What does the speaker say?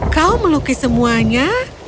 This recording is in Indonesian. kau melukis semuanya